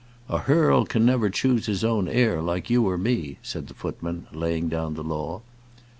"A hearl can never choose his own heir, like you or me," said the footman, laying down the law.